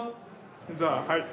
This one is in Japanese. ・じゃあはい。